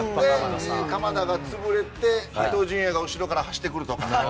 鎌田が潰れて伊東純也が後ろから走ってくるとか。